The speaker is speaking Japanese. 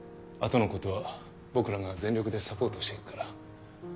あとのことは僕らが全力でサポートしていくから。